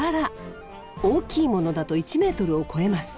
大きいものだと１ｍを超えます。